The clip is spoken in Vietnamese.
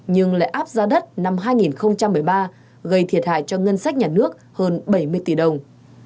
nhưng lại áp ra đất năm hai nghìn một mươi ba gây thiệt hại cho ngân sách nhà nước hơn bảy mươi tỷ đồng